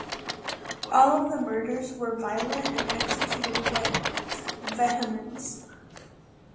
All of the murders were violent and executed with vehemence.